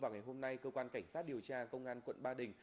vào ngày hôm nay cơ quan cảnh sát điều tra công an quận ba đình